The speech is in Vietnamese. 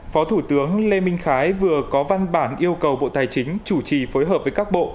phó thủ tướng lê minh khái vừa có văn bản yêu cầu bộ tài chính chủ trì phối hợp với các bộ